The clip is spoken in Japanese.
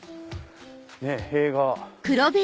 ねぇ塀が。